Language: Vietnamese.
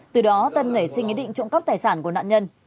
từ đó tân nể xin ý định trộm cắp tài sản của nạn nhân